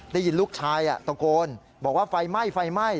ได้ยินลูกชายตกลบอกว่าไฟไหม้